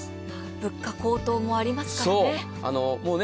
物価高騰もありますからね。